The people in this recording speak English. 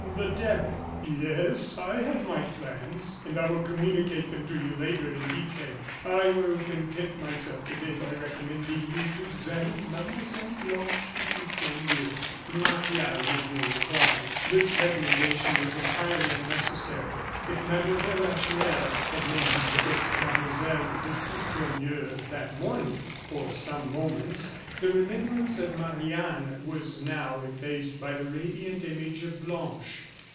"The devil!" "Yes, I have my plans, and I will communicate them to you later in detail. I will content myself today by recommending you to examine Mademoiselle Blanche de Courtornieu." Martial made no reply. This recommendation was entirely unnecessary. If Mlle. Lacheneur had made him forget Mlle. de Courtornieu that morning for some moments, the remembrance of Marie Anne was now effaced by the radiant image of Blanche.